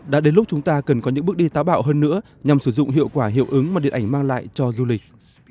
đã đến lúc chúng ta cần có những bước đi táo bạo hơn nữa nhằm sử dụng hiệu quả hiệu ứng mà điện ảnh mang lại cho du lịch